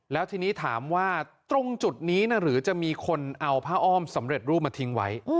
แล้วทีนี้ถามว่าตรงจุดนี้หรือจะมีคนเอาผ้าอ้อมสำเร็จรูปมาทิ้งไว้